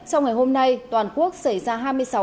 trong ngày hôm nay toàn quốc xảy ra